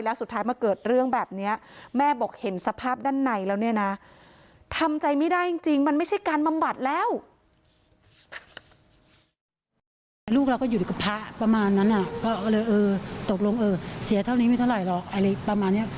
แล้วสุดท้ายมาเกิดเรื่องแบบเนี้ยแม่บอกเห็นสภาพด้านในแล้วเนี้ยนะ